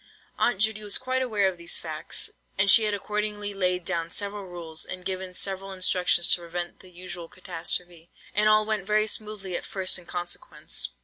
Aunt Judy was quite aware of these facts, and she had accordingly laid down several rules, and given several instructions to prevent the usual catastrophe; and all went very smoothly at first in consequence.